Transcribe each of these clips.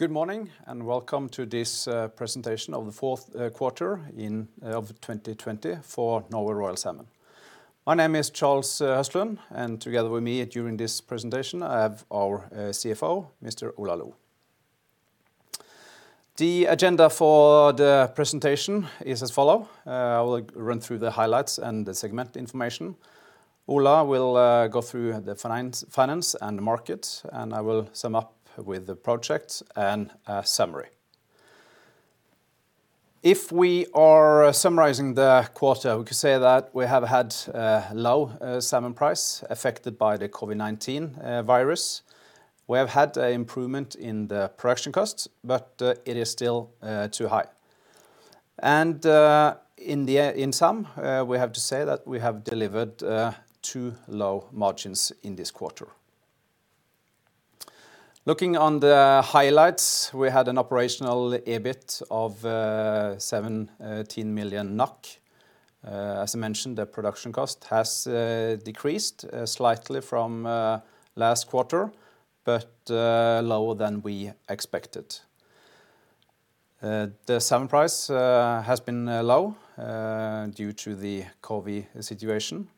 Good morning, welcome to this presentation of the fourth quarter of 2020 for Norway Royal Salmon. My name is Charles Høstlund, together with me during this presentation, I have our CFO, Mr. Ola Loe. The agenda for the presentation is as follows. I will run through the highlights and the segment information. Ola will go through the finance and the markets, I will sum up with the projects and a summary. If we are summarizing the quarter, we could say that we have had low salmon price affected by the COVID-19 virus. We have had improvement in the production costs, it is still too high. In sum, we have to say that we have delivered too low margins in this quarter. Looking on the highlights, we had an operational EBIT of 17 million. As I mentioned, the production cost has decreased slightly from last quarter, but lower than we expected. The salmon price has been low due to the COVID-19 situation.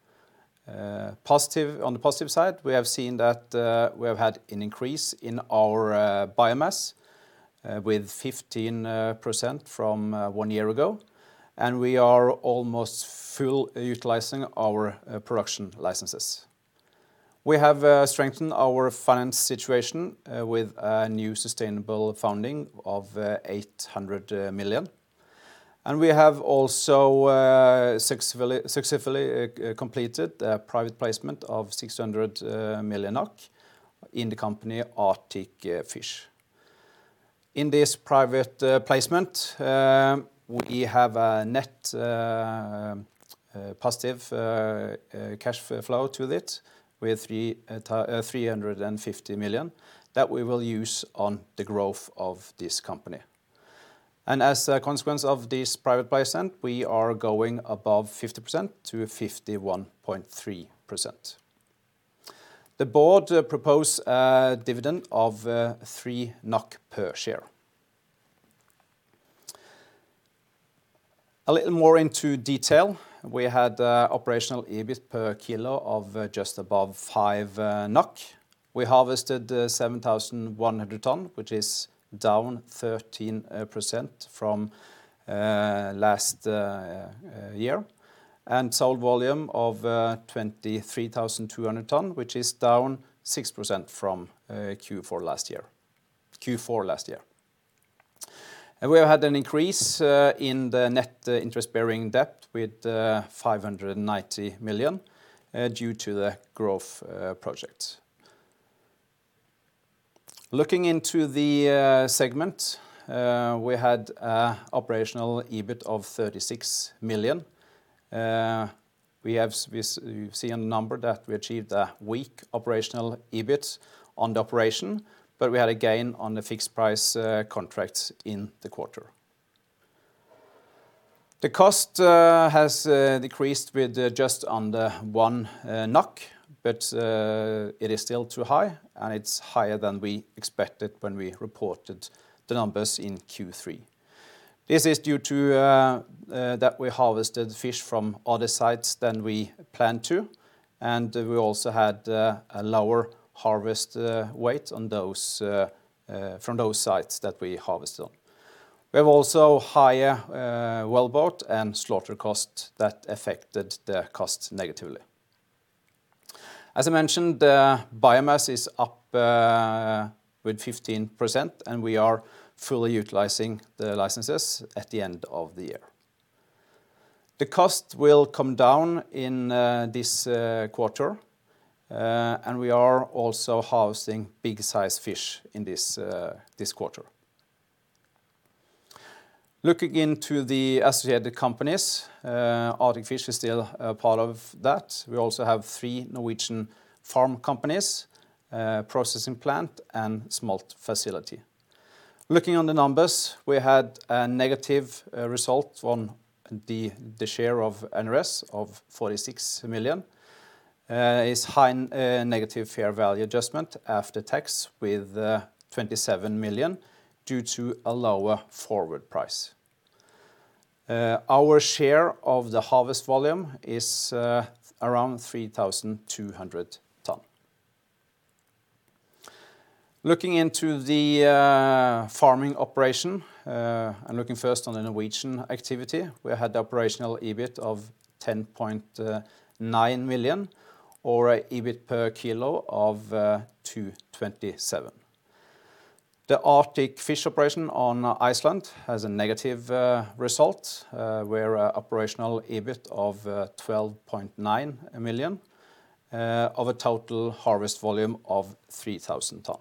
On the positive side, we have seen that we have had an increase in our biomass with 15% from one year ago, and we are almost fully utilizing our production licenses. We have strengthened our finance situation with a new sustainable funding of 800 million. We have also successfully completed a private placement of 600 million in the company Arctic Fish. In this private placement, we have a net positive cash flow to it with 350 million that we will use on the growth of this company. As a consequence of this private placement, we are going above 50% - 51.3%. The board propose a dividend of 3 NOK per share. A little more into detail. We had operational EBIT per kilo of just above 5 NOK. We harvested 7,100 tons, which is down 13% from last year. Sold volume of 23,200 tons, which is down 6% from Q4 last year. We have had an increase in the net interest-bearing debt with 590 million due to the growth project. Looking into the segment, we had operational EBIT of 36 million. We see a number that we achieved a weak operational EBIT on the operation, but we had a gain on the fixed price contracts in the quarter. The cost has decreased with just under 1 NOK, but it is still too high, and it's higher than we expected when we reported the numbers in Q3. This is due to that we harvested fish from other sites than we planned to, and we also had a lower harvest weight from those sites that we harvested on. We have also higher wellboat and slaughter costs that affected the cost negatively. As I mentioned, the biomass is up with 15%, and we are fully utilizing the licenses at the end of the year. The cost will come down in this quarter, and we are also housing big size fish in this quarter. Looking into the associated companies, Arctic Fish is still a part of that. We also have three Norwegian farm companies, a processing plant, and a smolt facility. Looking on the numbers, we had a negative result on the share of NRS of 46 million. It's high negative fair value adjustment after tax with 27 million due to a lower forward price. Our share of the harvest volume is around 3,200 tons. Looking into the farming operation, looking first on the Norwegian activity, we had operational EBIT of 10.9 million or an EBIT per kilo of 227. The Arctic Fish operation on Iceland has a negative result where operational EBIT of 12.9 million of a total harvest volume of 3,000 tons.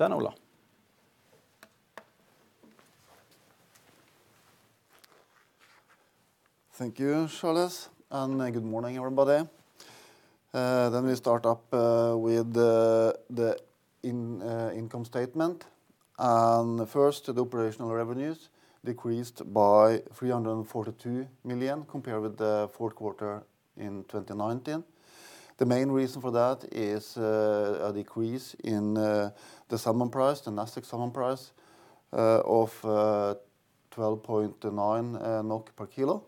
Ola. Thank you, Charles, and good morning, everybody. We start up with the income statement. First, the operational revenues decreased by 342 million compared with the fourth quarter in 2019. The main reason for that is a decrease in the salmon price, the Nasdaq salmon price, of 12.9 NOK per kilo.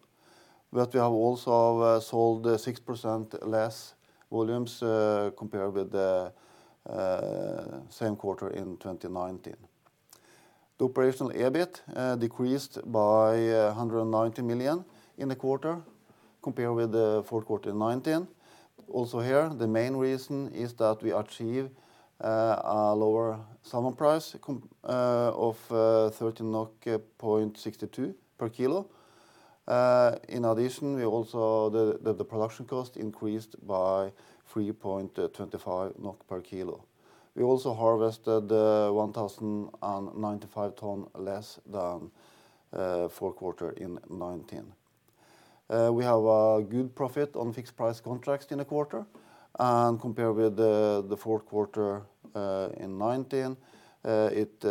We have also sold 6% less volumes compared with the same quarter in 2019. The operational EBIT decreased by 190 million in the quarter compared with the fourth quarter in 2019. Also here, the main reason is that we achieve a lower salmon price of 13.62 NOK per kilo. In addition, the production cost increased by 3.25 NOK per kilo. We also harvested 1,095 tons less than fourth quarter in 2019. We have a good profit on fixed price contracts in the quarter. Compared with the fourth quarter in 2019, it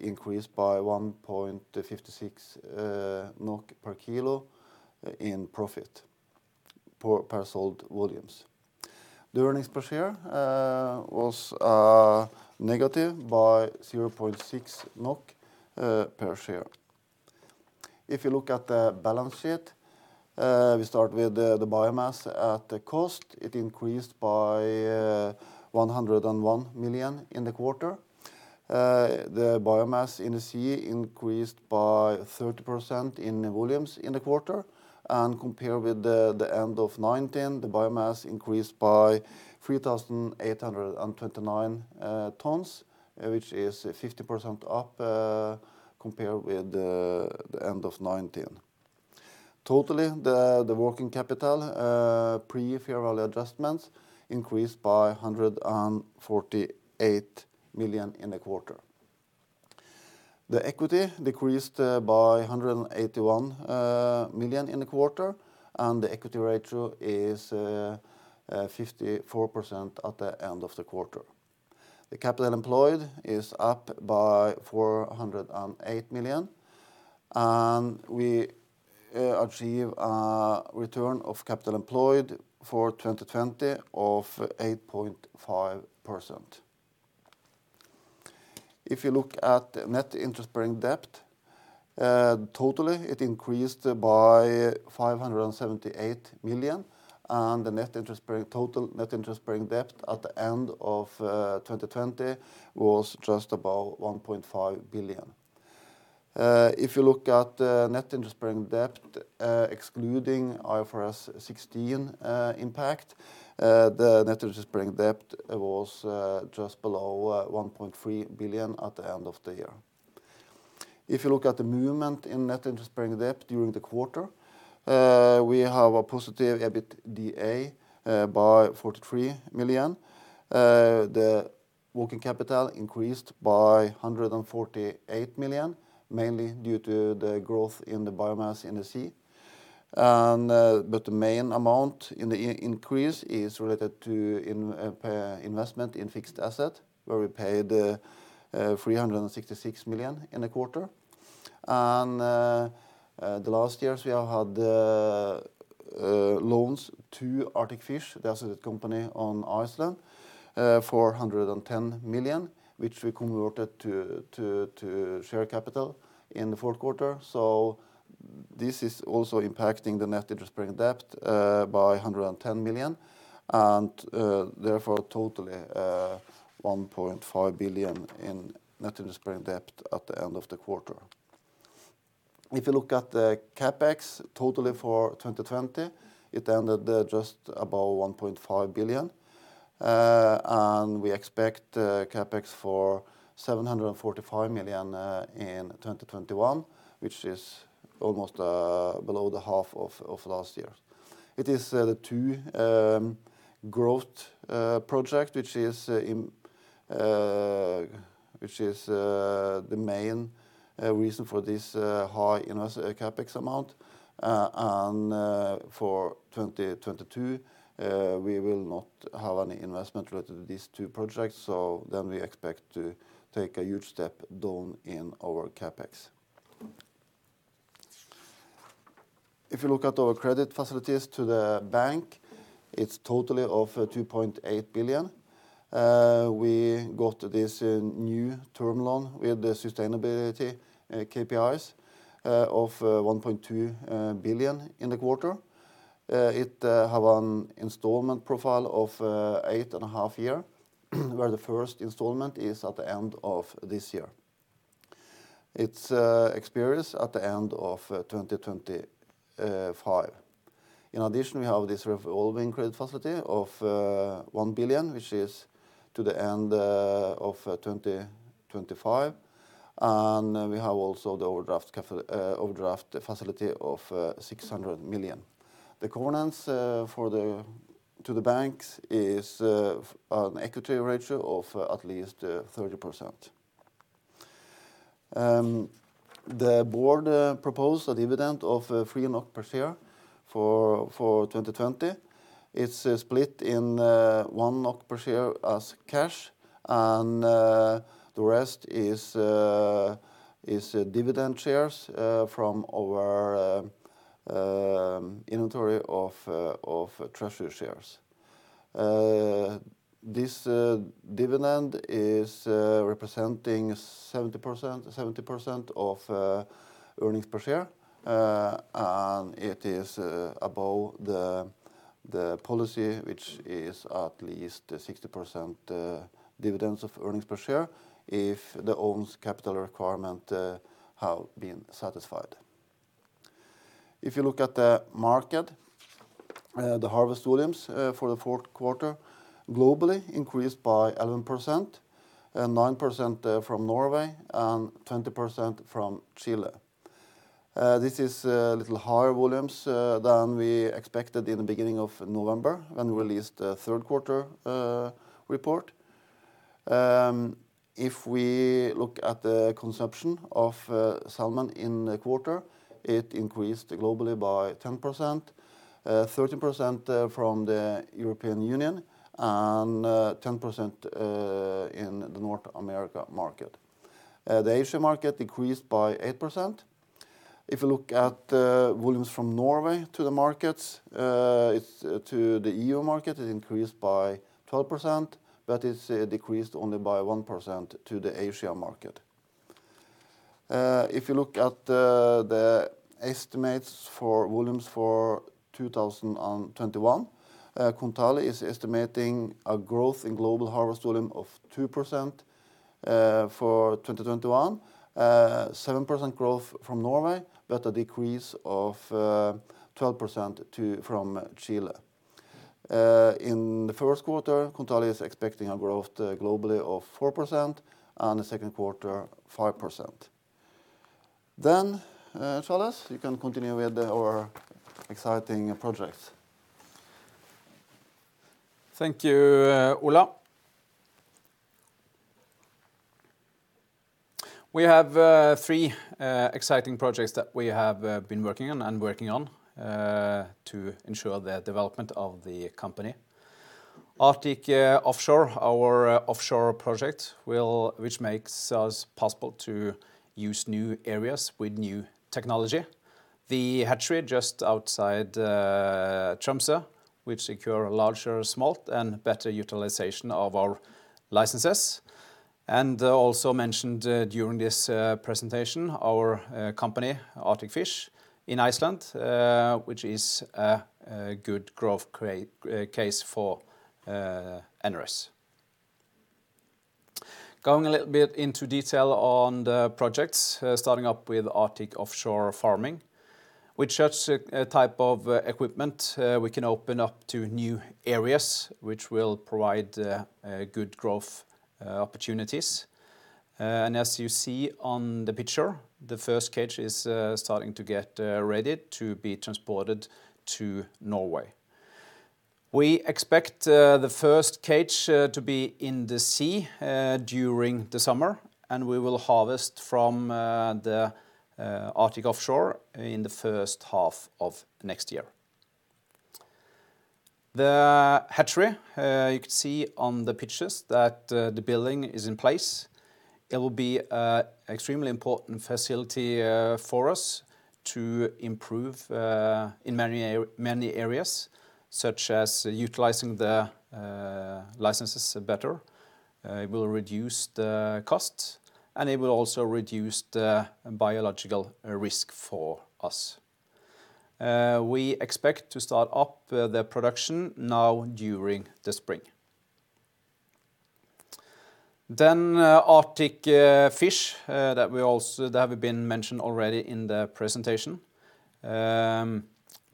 increased by 1.56 NOK per kilo in profit per sold volumes. The earnings per share was negative by 0.6 NOK per share. If you look at the balance sheet, we start with the biomass at cost. It increased by 101 million in the quarter. The biomass in the sea increased by 30% in volumes in the quarter. Compared with the end of 2019, the biomass increased by 3,829 tons, which is 50% up compared with the end of 2019. Totally, the working capital, pre fair value adjustments, increased by 148 million in the quarter. The equity decreased by 181 million in the quarter, and the equity ratio is 54% at the end of the quarter. The capital employed is up by 408 million, and we achieve a return of capital employed for 2020 of 8.5%. If you look at net interest-bearing debt, totally it increased by 578 million, the total net interest-bearing debt at the end of 2020 was just about 1.5 billion. If you look at net interest-bearing debt excluding IFRS 16 impact, the net interest-bearing debt was just below 1.3 billion at the end of the year. If you look at the movement in net interest-bearing debt during the quarter, we have a positive EBITDA by 43 million. The working capital increased by 148 million, mainly due to the growth in the biomass in the sea. The main amount in the increase is related to investment in fixed asset, where we paid 366 million in a quarter. The last years, we have had loans to Arctic Fish, the associated company on Iceland, for 110 million, which we converted to share capital in the fourth quarter. This is also impacting the net interest-bearing debt by 110 million and therefore totally 1.5 billion in net interest-bearing debt at the end of the quarter. If you look at the CapEx totally for 2020, it ended just above 1.5 billion. We expect CapEx for 745 million in 2021, which is almost below the half of last year. It is the two growth project which is the main reason for this high CapEx amount. For 2022, we will not have any investment related to these two projects. Then we expect to take a huge step down in our CapEx. If you look at our credit facilities to the bank, it's totally of 2.8 billion. We got this new term loan with the sustainability KPIs of 1.2 billion in the quarter. It have an installment profile of eight and a half year, where the first installment is at the end of this year. It expires at the end of 2025. In addition, we have this revolving credit facility of 1 billion, which is to the end of 2025. We have also the overdraft facility of 600 million. The covenants to the banks is an equity ratio of at least 30%. The board proposed a dividend of 3 NOK per share for 2020. It's split in 1 NOK per share as cash, and the rest is dividend shares from our inventory of treasury shares. This dividend is representing 70% of earnings per share. It is above the policy, which is at least 60% dividends of earnings per share if the owned capital requirement have been satisfied. If you look at the market, the harvest volumes for the fourth quarter globally increased by 11%, and 9% from Norway, and 20% from Chile. This is a little higher volumes than we expected in the beginning of November when we released the third quarter report. If we look at the consumption of salmon in the quarter, it increased globally by 10%, 30% from the European Union, and 10% in the North America market. The Asia market increased by 8%. If you look at the volumes from Norway to the EU market, it increased by 12%, but it's decreased only by 1% to the Asia market. If you look at the estimates for volumes for 2021, Kontali is estimating a growth in global harvest volume of 2% for 2021, 7% growth from Norway, but a decrease of 12% from Chile. In the first quarter, Kontali is expecting a growth globally of 4%, and the second quarter, 5%. Charles, you can continue with our exciting projects. Thank you, Ola. We have three exciting projects that we have been working on and working on to ensure the development of the company. Arctic Offshore, our offshore project, which makes us possible to use new areas with new technology. The hatchery just outside Tromsø, which secure larger smolt and better utilization of our licenses. Also mentioned during this presentation, our company, Arctic Fish, in Iceland, which is a good growth case for NRS. Going a little bit into detail on the projects, starting up with Arctic Offshore Farming. With such a type of equipment, we can open up to new areas, which will provide good growth opportunities. As you see on the picture, the first cage is starting to get ready to be transported to Norway. We expect the first cage to be in the sea during the summer. We will harvest from the Arctic Offshore in the first half of next year. The hatchery, you could see on the pictures that the building is in place. It will be a extremely important facility for us to improve in many areas, such as utilizing the licenses better. It will reduce the cost. It will also reduce the biological risk for us. We expect to start up the production now during the spring. Arctic Fish, that we been mentioned already in the presentation.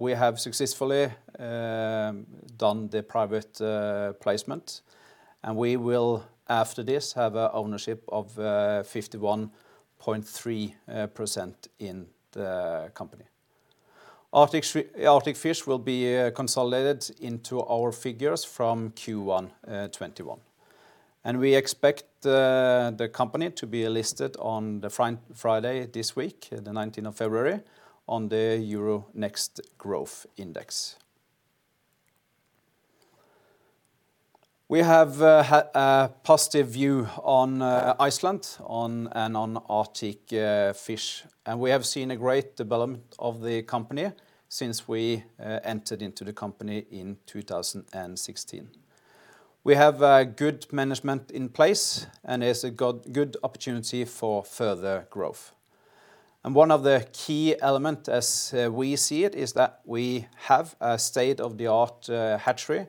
We have successfully done the private placement. We will, after this, have a ownership of 51.3% in the company. Arctic Fish will be consolidated into our figures from Q1 2021. We expect the company to be listed on the Friday this week, the 19th of February, on the Euronext Growth index. We have a positive view on Iceland and on Arctic Fish, we have seen a great development of the company since we entered into the company in 2016. We have a good management in place, it's a good opportunity for further growth. One of the key element as we see it, is that we have a state-of-the-art hatchery,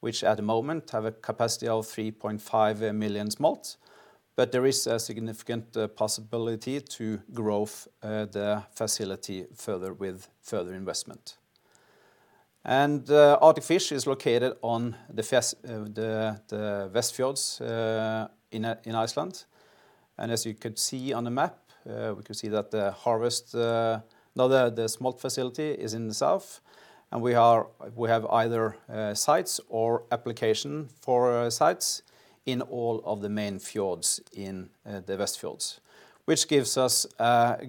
which at the moment have a capacity of 3.5 million smolt. There is a significant possibility to growth the facility further with further investment. Arctic Fish is located on the Westfjords in Iceland. As you could see on the map, we could see that the smolt facility is in the south, and we have either sites or application for sites in all of the main fjords in the Westfjords, which gives us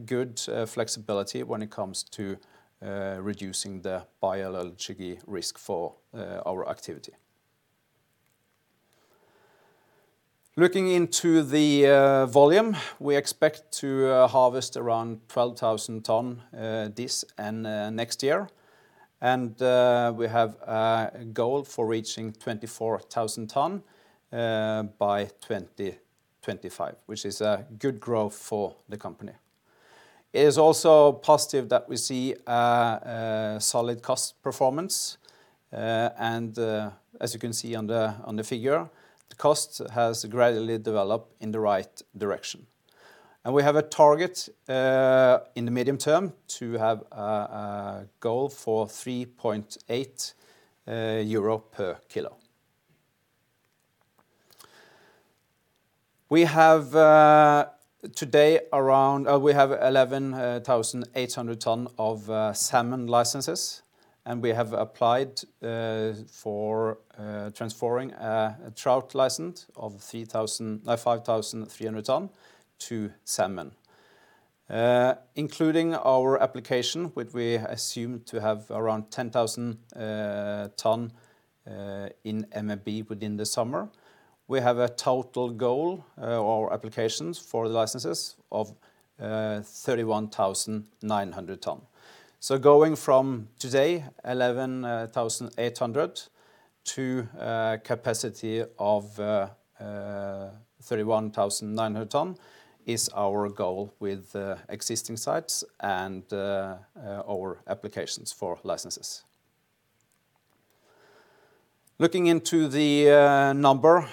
good flexibility when it comes to reducing the biological risk for our activity. Looking into the volume, we expect to harvest around 12,000 tons this and next year. We have a goal for reaching 24,000 tons by 2025, which is a good growth for the company. It is also positive that we see a solid cost performance. As you can see on the figure, the cost has gradually developed in the right direction. We have a target in the medium term to have a goal for €3.8 per kilo. Today, we have 11,800 tons of salmon licenses, and we have applied for transferring a trout license of 5,300 tons to salmon. Including our application, which we assume to have around 10,000 tons in MAB within the summer, we have a total goal or applications for the licenses of 31,900 tons. Going from today, 11,800 to capacity of 31,900 tons is our goal with existing sites and our applications for licenses. Looking into the number,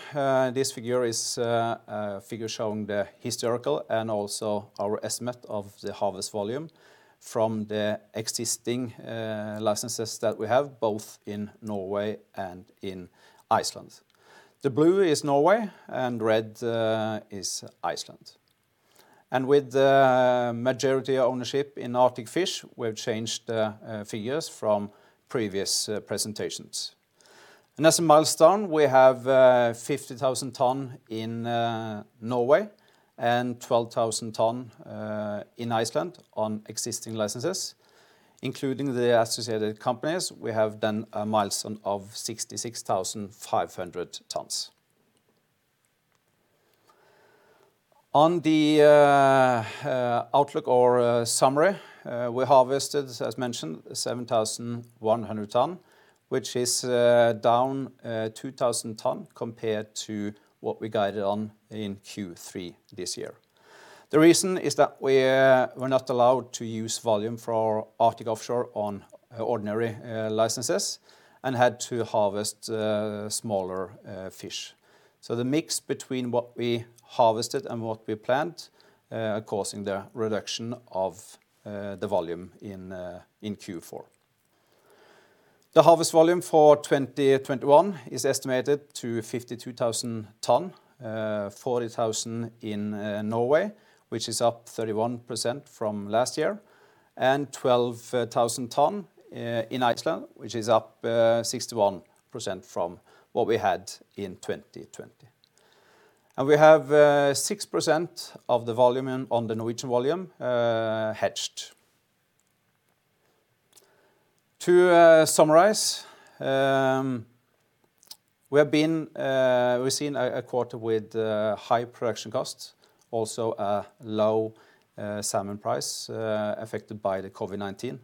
this figure is a figure showing the historical and also our estimate of the harvest volume from the existing licenses that we have, both in Norway and in Iceland. The blue is Norway and red is Iceland. With the majority ownership in Arctic Fish, we've changed the figures from previous presentations. As a milestone, we have 50,000 tons in Norway and 12,000 tons in Iceland on existing licenses. Including the associated companies, we have done a milestone of 66,500 tons. On the outlook or summary, we harvested, as mentioned, 7,100 tons, which is down 2,000 tons compared to what we guided on in Q3 this year. The reason is that we were not allowed to use volume for Arctic Offshore Farming on ordinary licenses and had to harvest smaller fish. The mix between what we harvested and what we planned, causing the reduction of the volume in Q4. The harvest volume for 2021 is estimated to 52,000 tons, 40,000 in Norway, which is up 31% from last year, and 12,000 tons in Iceland, which is up 61% from what we had in 2020. We have 6% of the volume on the Norwegian volume heed. To summarize, we've seen a quarter with high production costs, also a low salmon price affected by the COVID-19.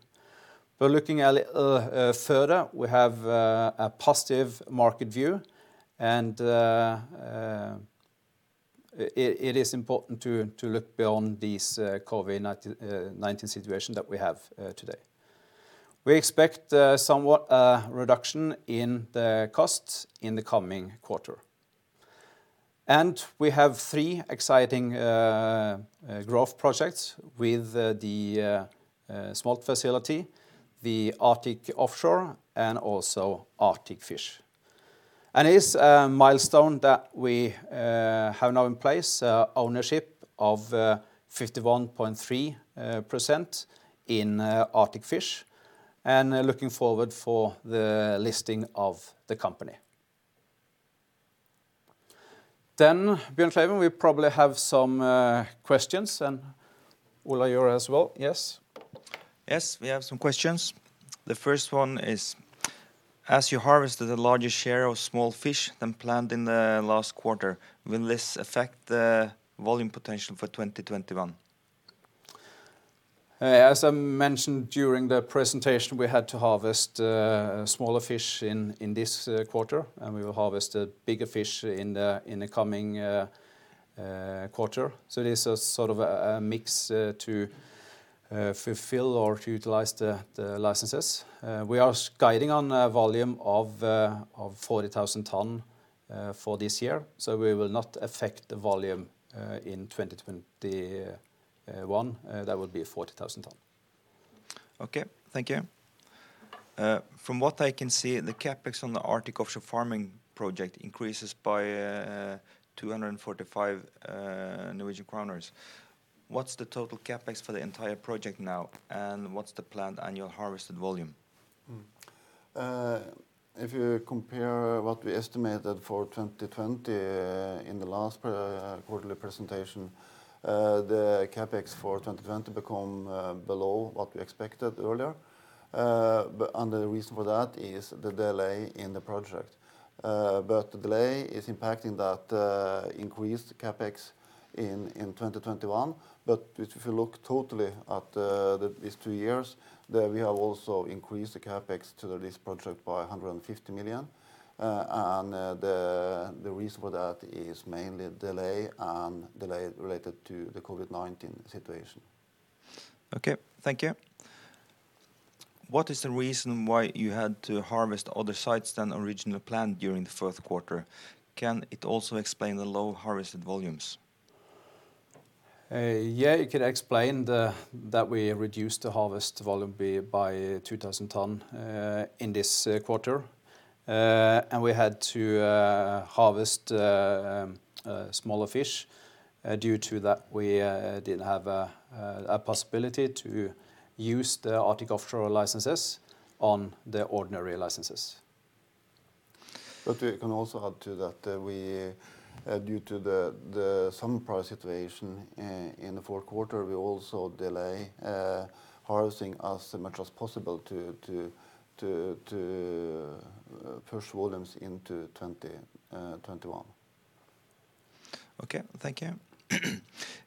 Looking a little further, we have a positive market view and it is important to look beyond this COVID-19 situation that we have today. We expect somewhat a reduction in the costs in the coming quarter. We have three exciting growth projects with the smolt facility, the Arctic offshore, and also Arctic Fish. It is a milestone that we have now in place ownership of 51.3% in Arctic Fish, and looking forward for the listing of the company. Bjørn Fleivik, we probably have some questions and Ola, you as well. Yes? Yes, we have some questions. The first one is, as you harvested the largest share of small fish than planned in the last quarter, will this affect the volume potential for 2021? As I mentioned during the presentation, we had to harvest smaller fish in this quarter, and we will harvest bigger fish in the coming quarter. It is a sort of a mix to fulfill or to utilize the licenses. We are guiding on a volume of 40,000 tons for this year. We will not affect the volume in 2021. That will be 40,000 tons. Okay, thank you. From what I can see, the CapEx on the Arctic Offshore Farming project increases by 245 Norwegian kroner. What's the total CapEx for the entire project now, and what's the planned annual harvested volume? If you compare what we estimated for 2020 in the last quarterly presentation, the CapEx for 2020 was below what we expected earlier. The reason for that is the delay in the project. The delay is impacting that increased CapEx in 2021. If you look totally at these two years, we have also increased the CapEx to this project by 150 million. The reason for that is mainly delay and delay related to the COVID-19 situation. Okay. Thank you. What is the reason why you had to harvest other sites than originally planned during the fourth quarter? Can it also explain the low harvested volumes? Yeah, it could explain that we reduced the harvest volume by 2,000 tons in this quarter. We had to harvest smaller fish due to that we didn't have a possibility to use the Arctic Offshore licenses on the ordinary licenses. We can also add to that, due to the salmon price situation in the fourth quarter, we also delay harvesting as much as possible to push volumes into 2021. Okay, thank you.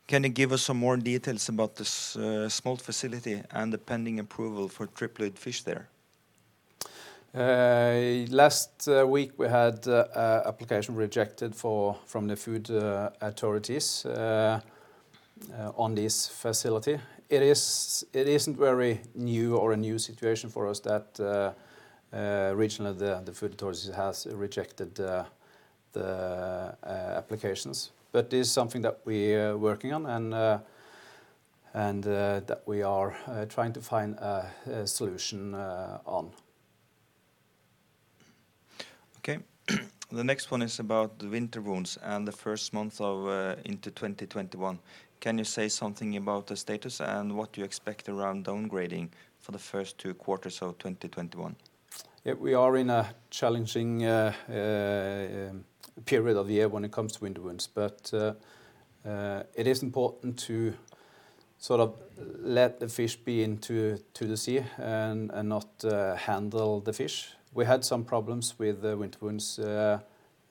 Can you give us some more details about this smolt facility and the pending approval for triploid fish there? Last week, we had a application rejected from the food authorities on this facility. It isn't very new or a new situation for us that originally the food authorities has rejected the applications. It is something that we are working on and that we are trying to find a solution on. Okay. The next one is about the winter wounds and the first month into 2021. Can you say something about the status and what you expect around downgrading for the first two quarters of 2021? We are in a challenging period of the year when it comes to winter wounds. It is important to let the fish be into the sea and not handle the fish. We had some problems with winter wounds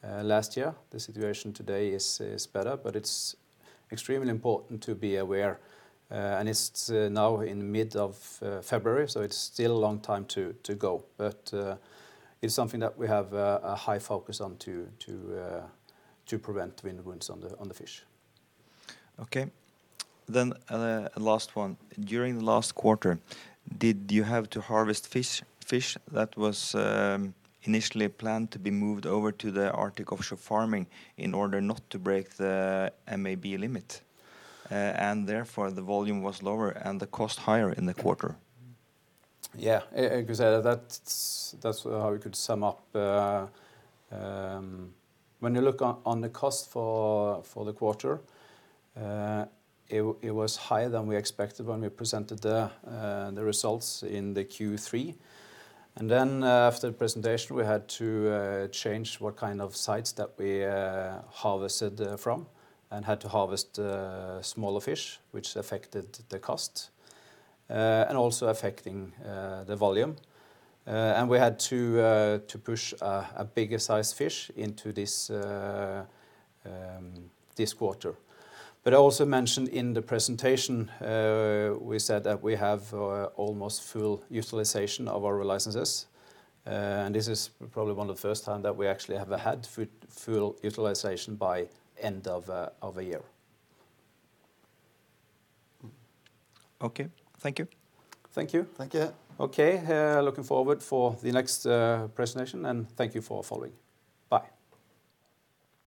last year. The situation today is better, but it's extremely important to be aware. It's now in mid of February, so it's still a long time to go. It's something that we have a high focus on to prevent winter wounds on the fish. Okay. Last one. During the last quarter, did you have to harvest fish that was initially planned to be moved over to the Arctic Offshore Farming in order not to break the MAB limit? Therefore, the volume was lower and the cost higher in the quarter. Yeah. You could say that's how we could sum up When you look on the cost for the quarter, it was higher than we expected when we presented the results in the Q3. Then after the presentation, we had to change what kind of sites that we harvested from and had to harvest smaller fish, which affected the cost, and also affecting the volume. We had to push a bigger size fish into this quarter. I also mentioned in the presentation, we said that we have almost full utilization of our licenses. This is probably one of the first time that we actually have had full utilization by end of a year. Okay. Thank you. Thank you. Thank you. Okay. Looking forward for the next presentation, and thank you for following. Bye.